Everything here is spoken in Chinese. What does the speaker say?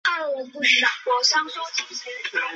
美洲豹是豹属动物在新大陆上现存的唯一成员。